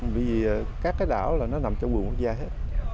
vì các cái đảo là nó nằm trong vườn quốc gia hết